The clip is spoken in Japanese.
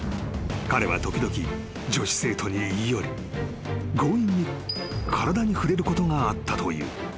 ［彼は時々女子生徒に言い寄り強引に体に触れることがあったという］